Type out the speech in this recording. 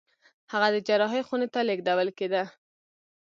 هغه د جراحي خونې ته لېږدول کېده.